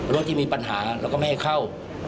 รถที่มีปัญหาแล้วก็ไม่ให้เข้า